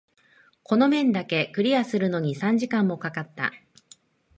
この面だけクリアするのに三時間も掛かった。